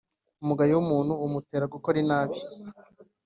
umugayo w’umuntu umutera gukora ibibi